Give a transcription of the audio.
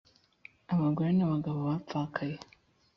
abagore n abagabo bapfakaye